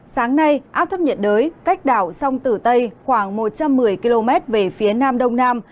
sáng nay áp thấp nhiệt đới cách đảo sông tử tây khoảng một trăm một mươi km về phía nam đông nam